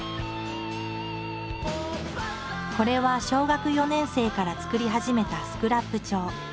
これは小学４年生から作り始めたスクラップ帳。